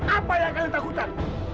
apa yang kalian takutkan